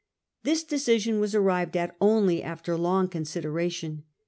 This decision was arrived at only after long consider ation.